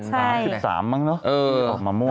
ใช่มั้งเนอะที่ออกมาเมื่อวานใช่ไหมครับ